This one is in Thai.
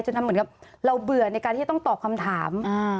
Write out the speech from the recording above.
ทำเหมือนกับเราเบื่อในการที่จะต้องตอบคำถาม